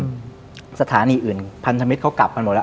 ณสถานีอื่นพันธมิตรเขากลับมา